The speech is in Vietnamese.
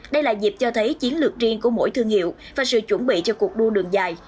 đây là dịp cho thấy chiến lược riêng của mỗi thương hiệu và sự chuẩn bị cho cuộc đua đường dài